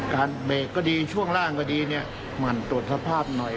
เบรกก็ดีช่วงล่างก็ดีเนี่ยหมั่นตรวจสภาพหน่อย